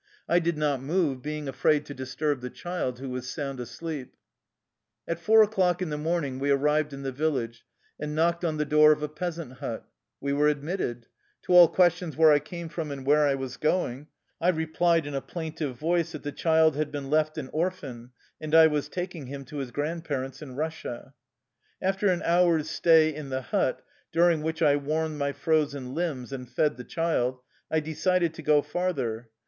I did not move, being afraid to disturb the child, who was sound asleep. At four o'clock in the morning we arrived in the village, and knocked on the door of a peasant hut. We were admitted. To all questions where I came from and where I was going, I re plied in a plaintive voice that the child had been left an orphan and I was taking him to his grand parents in Russia. After an hour's stay in the hut, during which I warmed my frozen limbs and fed the child, I decided to go farther.